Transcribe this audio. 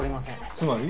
つまり？